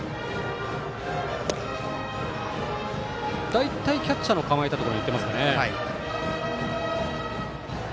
大体キャッチャーの構えたところいっています。